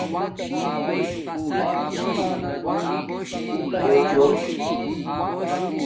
چݸچݸک